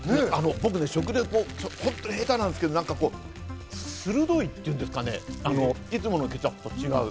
僕、食レポ下手なんですけど、鋭いっていうか、いつものケチャップと違う。